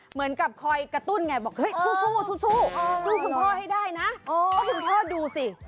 เหมือนกับคอยกระตุ้นไงบอกเฮ้ยสู้สู้คุณพ่อให้ได้นะเพราะคุณพ่อดูสิ